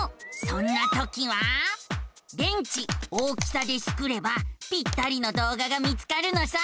そんなときは「電池大きさ」でスクればぴったりの動画が見つかるのさ。